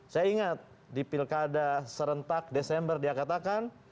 saya ingat di pilkada serentak desember dia katakan